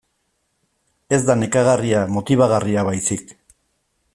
Ez da nekagarria, motibagarria baizik.